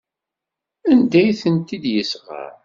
Anda ay tent-id-yesɣa?